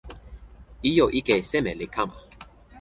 ijo ike seme li kama?